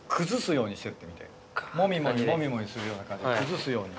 もみもみもみもみするような感じで崩すように。